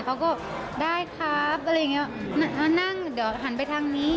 เขาก็ได้ครับอะไรอย่างเงี้ยนั่งเดี๋ยวหันไปทางนี้